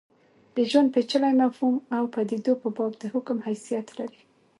د ژوند پېچلي مفهوم او پدیدو په باب د حکم حیثیت لري.